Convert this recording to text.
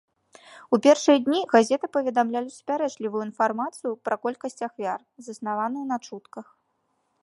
У першыя дні газеты паведамлялі супярэчлівую інфармацыю пра колькасць ахвяр, заснаваную на чутках.